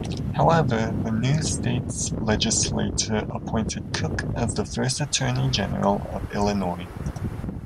However, the new state's legislature appointed Cook as the first Attorney General of Illinois.